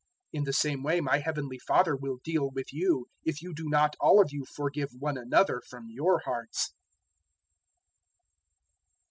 018:035 "In the same way my Heavenly Father will deal with you, if you do not all of you forgive one another from your hearts."